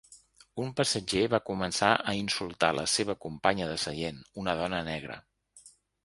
Un passatger va començar a insultar la seva companya de seient, una dona negra.